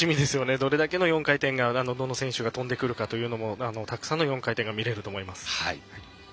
どれだけの４回転が、どの選手が跳んでくるかというのもたくさんの４回転が見られると思います。